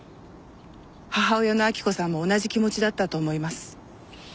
母親の晃子さんも同じ気持ちだったと思います。